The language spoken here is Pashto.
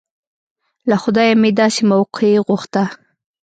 له خدايه مې داسې موقع غوښته.